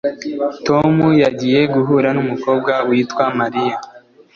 Tom yagiye guhura numukobwa witwa Mariya